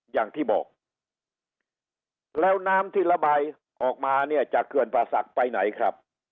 อย่างที่บอกแล้วน้ำที่ระบายออกมาเนี่ยจากเขื่อนป่าศักดิ์ไปไหนครับ